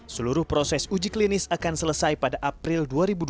seluruh proses uji klinis akan selesai pada april dua ribu dua puluh